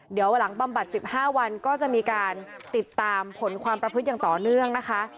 เดี๋ยวหลังบำบัด๑๕วันก็จะมีการติดตามผลความประพฤติอย่างต่อเนื่องนะคะ